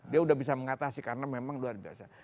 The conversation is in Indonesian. dia sudah bisa mengatasi karena memang luar biasa